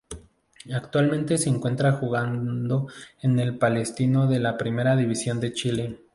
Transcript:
Actualmente se encuentra jugando en Palestino de la Primera División de Chile.